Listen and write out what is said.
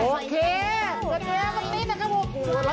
โอเคท่านเย้วันนี้นะครับ